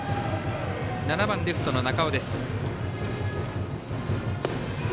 ７番、レフトの中尾です。